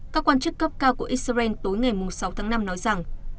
các quan chức cấp cao của israel tối ngày sáu tháng năm nói rằng